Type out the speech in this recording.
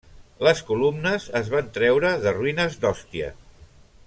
Les columnes es van treure de ruïnes d'Òstia.